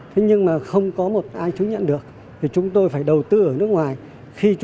thế nhưng mà không có một ai chứng nhận được thì chúng tôi phải đầu tư ở nước ngoài